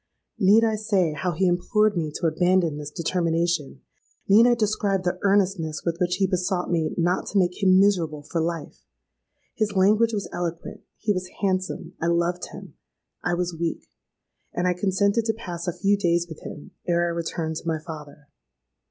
Need I say how he implored me to abandon this determination? need I describe the earnestness with which he besought me not to make him miserable for life? His language was eloquent—he was handsome—I loved him—I was weak—and I consented to pass a few days with him ere I returned to my father.